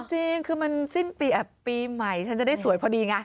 จริงคือมันสิ้นปีใหม่ฉันจะได้สวยพอดีไง